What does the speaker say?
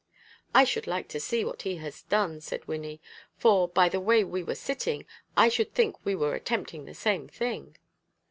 "I should like to see what he has done," said Wynnie; "for, by the way we were sitting, I should think we were attempting the same thing."